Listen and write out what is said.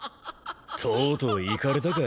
とうとういかれたか？